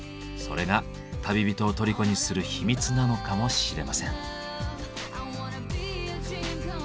それが旅人を虜にする秘密なのかもしれません。